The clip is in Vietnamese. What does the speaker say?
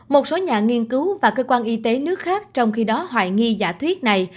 một số nhà nghiên cứu và cơ quan y tế nước khác trong khi đó hoài nghi giả thuyết này